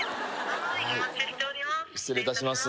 ☎失礼いたします